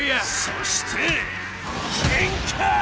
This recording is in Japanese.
［そしてケンカ！］